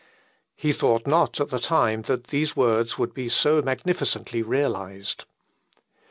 He thought not at the time that these words would be so magnificently realised.